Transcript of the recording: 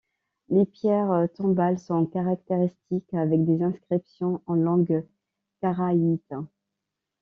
Les pierres tombales sont caractéristiques, avec des inscriptions en langue karaïte.